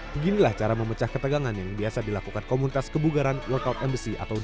beginilah cara memecah ketegangan yang biasa dilakukan komunitas kebugaran lokal embassy atau